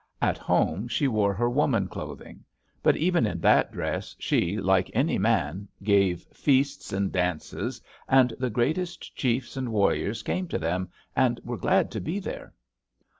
At home she wore her woman clothing. But even in that dress she, like any man, gave feasts and dances, and the greatest chiefs and warriors came to them, and were glad to be there.